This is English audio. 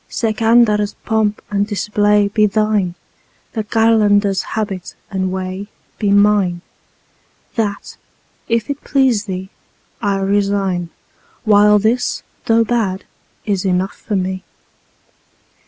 Sikandar's3 pomp and display be thine, the Qalandar's4 habit and way be mine; That, if it please thee, I resign, while this, though bad, is enough for me.